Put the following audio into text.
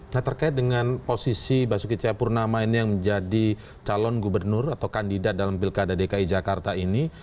nah terkait dengan posisi basuki cahayapurnama ini yang menjadi calon gubernur atau kandidat dalam pilkada dki jakarta ini